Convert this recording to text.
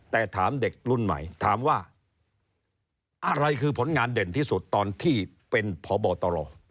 แต่ถามเด็กรุ่นใหม่ถามว่าอะไรคือผลงานเด่นที่สุดตอนที่เป็นพบตร